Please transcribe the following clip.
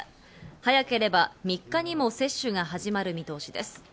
早ければ３日にも接種が始まる見通しです。